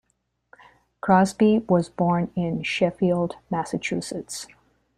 Crosby was born in Sheffield, Massachusetts.